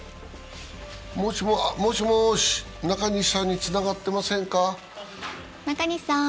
もしもーし、中西さんにつながってませんか？